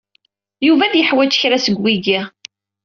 Yuba ad yeḥwij kra seg wigi.